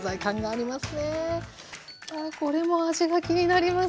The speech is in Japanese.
あこれも味が気になります。